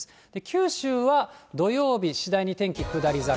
九州は土曜日、次第に天気下り坂。